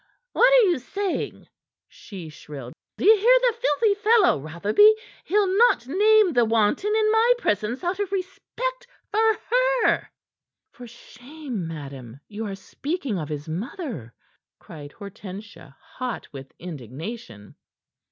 "What are you saying?" she shrilled. "D'ye hear the filthy fellow, Rotherby? He'll not name the wanton in my presence out of respect for her." "For shame, madam! You are speaking of his mother," cried Hortensia, hot with indignation.